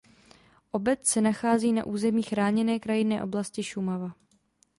Obec se nachází na území Chráněné krajinné oblasti Šumava.